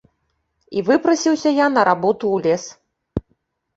І выпрасіўся я на работу ў лес.